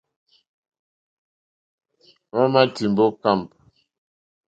Hwámà tìmbá ô kâmp.